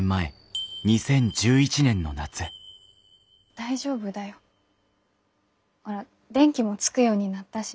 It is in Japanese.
大丈夫だよほら電気もつくようになったし。